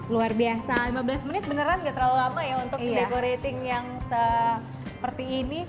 luar biasa lima belas menit beneran gak terlalu lama ya untuk decorating yang seperti ini